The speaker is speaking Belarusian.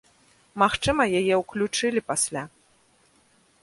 Магчыма, яе ўключылі пасля.